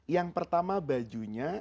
yang pertama bajunya